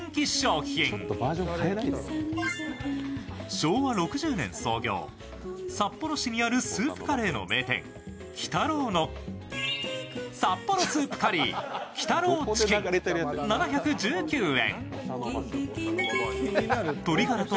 昭和６０年創業、札幌市にあるスープカレーの名店、木多郎の札幌スープカリー木多郎チキン、７１９円。